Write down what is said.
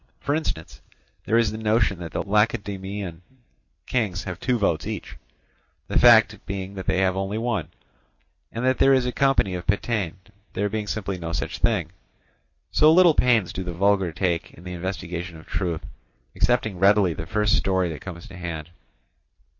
For instance, there is the notion that the Lacedaemonian kings have two votes each, the fact being that they have only one; and that there is a company of Pitane, there being simply no such thing. So little pains do the vulgar take in the investigation of truth, accepting readily the first story that comes to hand.